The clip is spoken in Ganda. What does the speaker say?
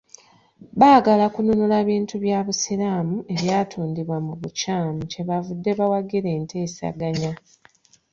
Baagala kunnunula bintu bya Busiraamu ebyatundibwa mu bukyamu kye bavudde bawagira enteeseganya.